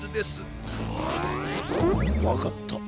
わかった。